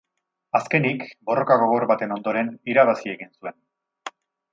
Azkenik, borroka gogor baten ondoren, irabazi egin zuen.